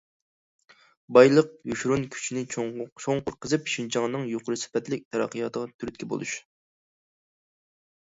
بايلىق يوشۇرۇن كۈچىنى چوڭقۇر قېزىپ، شىنجاڭنىڭ يۇقىرى سۈپەتلىك تەرەققىياتىغا تۈرتكە بولۇش.